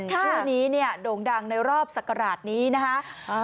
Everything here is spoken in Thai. ชื่อนี้เนี่ยโด่งดังในรอบศักราชนี้นะคะ